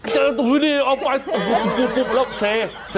เจอตัวนี้ออกไปปุ๊บล้มเซ